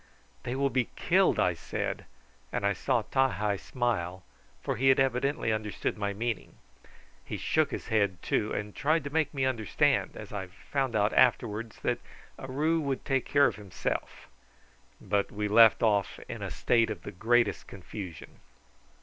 "They will be killed," I said, and I saw Ti hi smile, for he had evidently understood my meaning. He shook his head too, and tried to make me understand, as I found afterwards, that Aroo would take care of himself; but we left off in a state of the greatest confusion.